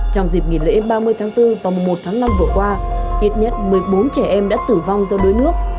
trong dịp nghỉ lễ ba mươi tháng bốn và một tháng năm vừa qua ít nhất một mươi bốn trẻ em đã tử vong do đuối nước